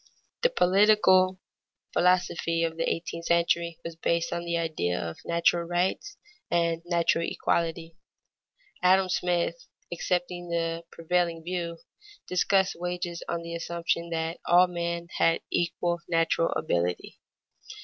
_ The political philosophy of the eighteenth century was based on the idea of natural rights and natural equality. Adam Smith, accepting the prevailing view, discussed wages on the assumption that all men had equal natural ability.